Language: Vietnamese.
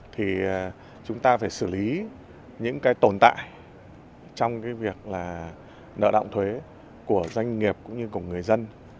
thì chúng ta phải xử lý những cái tồn tại trong cái việc là nợ động thuế của doanh nghiệp cũng như của người dân